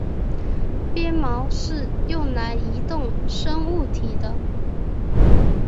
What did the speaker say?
鞭毛是用来移动生物体的。